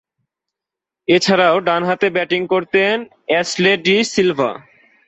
এছাড়াও, ডানহাতে ব্যাটিং করতেন অ্যাশলে ডি সিলভা।